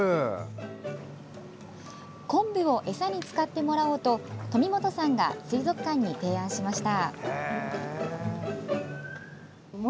昆布を餌に使ってもらおうと富本さんが水族館に提案しました。